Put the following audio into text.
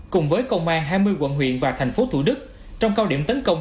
cùng với công an hai mươi quận huyện và thành phố thủ đức trong cao điểm tấn công